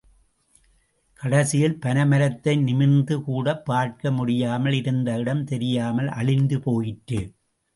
கடைசியில் பனைமரத்தை நிமிர்ந்து கூடப் பார்க்க முடியாமல், இருந்த இடம் தெரியாமல் அழிந்து போயிற்று.